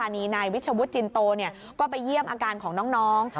นี่นายวิชวุฒิจินโตก็ไปเยี่ยมอาการของน้อง